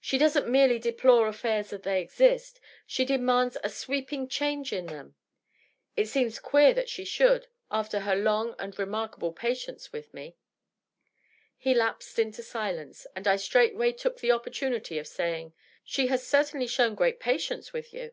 She doesn't merely deplore affairs as they exist ; she demands a sweeping change in them. It seems queer that she should, after her long and remarkable patience with me." He lapsed into silence, and I straightway took the opportanity of saying, " She has certainly shown great patience with you.''